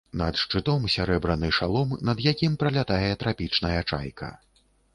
Над шчытом сярэбраны шалом, над якім пралятае трапічная чайка.